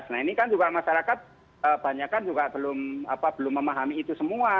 nah ini kan juga masyarakat banyak kan juga belum memahami itu semua